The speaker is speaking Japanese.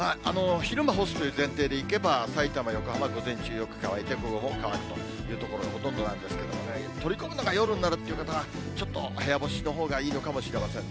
昼間干すという前提でいけば、さいたま、横浜、午前中よく乾いて、午後も乾くという所がほとんどなんですけどもね、取り込むのが夜になるという方は、ちょっと部屋干しのほうがいいのかもしれませんね。